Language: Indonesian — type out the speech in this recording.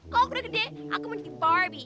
kalo gue gede aku mau jadi barbie